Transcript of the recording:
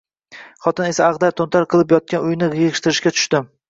Xotin esa ag`dar-to`ntar bo`lib yotgan uyni yig`ishtirishga tushdi